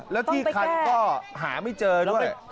แล้วที่คันก็หาไม่เจอด้วย